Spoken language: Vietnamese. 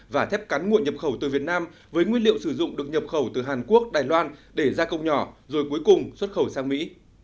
và thép cán nguội nhập khẩu từ việt nam với nguyên liệu sử dụng được nhập khẩu từ hàn quốc đài loan để gia công nhỏ rồi cuối cùng xuất khẩu sang mỹ